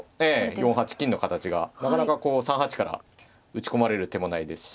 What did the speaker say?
４八金の形がなかなかこう３八から打ち込まれる手もないですし。